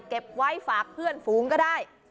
เก็บไว้ฝากเพื่อนฝูงก็ได้